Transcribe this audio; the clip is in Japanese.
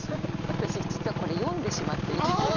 私実はこれ読んでしまっていて。